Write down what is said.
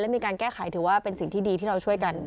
มีการแก้ไขถือว่าเป็นสิ่งที่ดีที่เราช่วยกัน